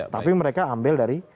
tapi mereka ambil dari